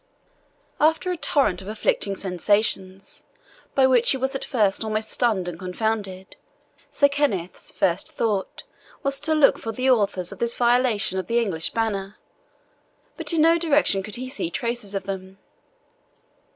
After a torrent of afflicting sensations, by which he was at first almost stunned and confounded, Sir Kenneth's first thought was to look for the authors of this violation of the English banner; but in no direction could he see traces of them.